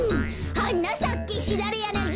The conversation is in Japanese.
「はなさけシダレヤナギ」